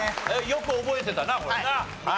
よく覚えてたなこれな。